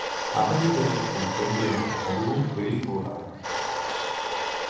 அகதி பெறுவது பெண் பிள்ளை அதுவும் வெள்ளி பூாாடம்.